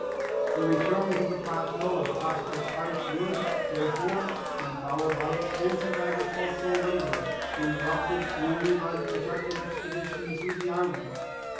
The return to the plateau of Prospect Heights would, therefore, be followed by extensive agricultural labors, interrupted only by the projected expedition through the island.